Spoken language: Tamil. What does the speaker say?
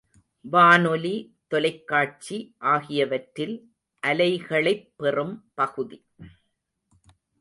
வானொலி, தொலைக் காட்சி ஆகியவற்றில் அலைகளைப் பெறும் பகுதி.